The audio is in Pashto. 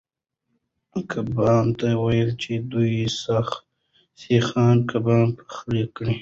کبابي ته وایه چې دوه سیخه کباب پخ کړي.